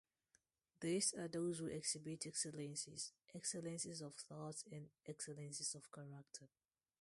These are those who exhibit excellences - excellences of thought and excellences of character.